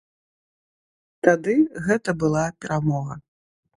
Тады гэта была перамога.